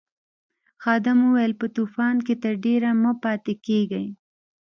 خادم وویل په طوفان کې تر ډېره مه پاتې کیږئ.